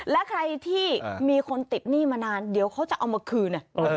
และใครที่มีคนติดหนี้มานานเดี๋ยวเขาจะเอามาคืน